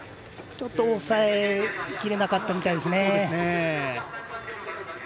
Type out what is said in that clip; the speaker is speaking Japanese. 抑えきれなかったみたいですね。